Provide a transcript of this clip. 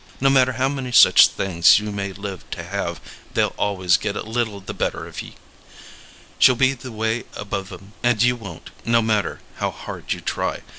No matter how many such things you may live to have, they'll always get a little the better of ye. She'll be 'way above 'em; and you won't, no matter how hard you try.